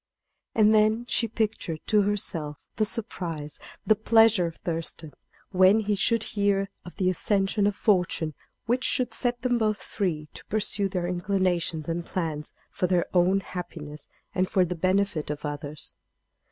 And then she pictured to herself the surprise, the pleasure of Thurston, when he should hear of the accession of fortune which should set them both free to pursue their inclinations and plans for their own happiness and for the benefit of others.